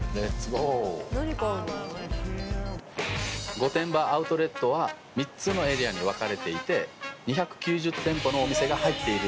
御殿場アウトレットは３つのエリアに分かれていて２９０店舗のお店が入っているんです。